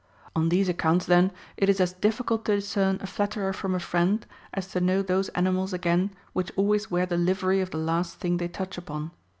On these accounts then it is as difficult to discern a flatterer from a friend, as to know those animals again which always wear the livery of the last thing they touch upon.